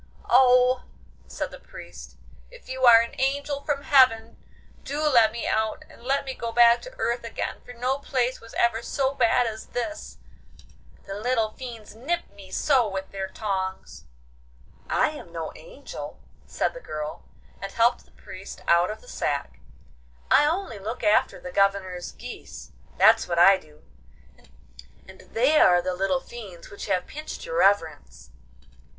'Oh,' said the Priest, 'if you are an angel from heaven do let me out and let me go back to earth again, for no place was ever so bad as this—the little fiends nip me so with their tongs.' 'I am no angel,' said the girl, and helped the Priest out of the sack. 'I only look after the Governor's geese, that's what I do, and they are the little fiends which have pinched your reverence.